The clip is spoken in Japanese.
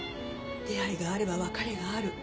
出会いがあれば別れがある。